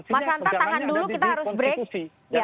mas hanta tahan dulu kita harus break